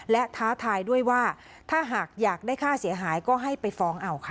และท้าทายด้วยว่าถ้าหากอยากได้ค่าเสียหายก็ให้ไปฟ้องเอาค่ะ